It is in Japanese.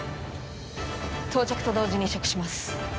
到着と同時に移植します